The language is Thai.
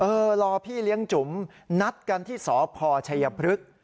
รอพี่เลี้ยงจุ๋มนัดกันที่สพชัยพฤกษ์